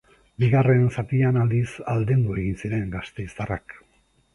Bigarren zatian, aldiz, aldendu egin ziren gasteiztarrak.